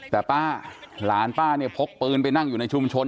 แต่ป้าหลานป้าเนี่ยพกปืนไปนั่งอยู่ในชุมชน